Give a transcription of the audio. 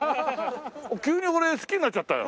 急に俺好きになっちゃったよ。